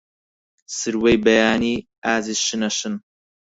سروەی بەیانی، ئازیز شنە شن